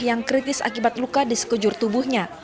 yang kritis akibat luka di sekujur tubuhnya